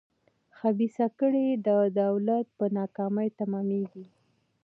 خبیثه کړۍ د دولت په ناکامۍ تمامېږي.